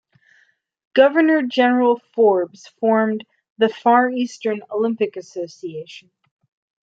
Governor-General Forbes formed the Far Eastern Olympic Association.